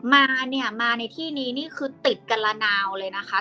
มาในที่นี่คือติดกันละนาวเลยนะคะ